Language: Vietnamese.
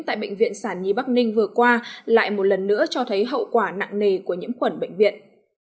tại bệnh viện sản nhi bắc ninh vừa qua lại một lần nữa cho thấy hậu quả nặng nề của nhiễm khuẩn bệnh viện